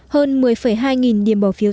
hơn một mươi hai nghìn điểm bỏ phiếu